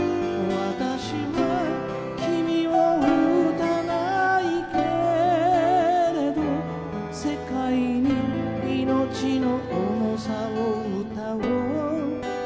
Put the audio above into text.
「わたしは君を撃たないけれど世界に生命の重さを歌おう」